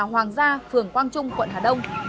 hoàng gia phường quang trung quận hà đông